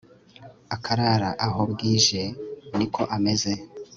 akarara aho bwije, ni ko ameze